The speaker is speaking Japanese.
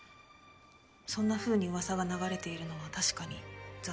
そんなふうに噂が流れているのは確かに残念です。